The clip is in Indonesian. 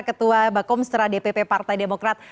ketua bakomstra dpp partai demokrat